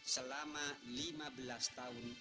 selama lima belas tahun